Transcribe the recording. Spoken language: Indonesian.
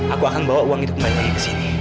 aku akan bawa uang itu kembali mbali kesini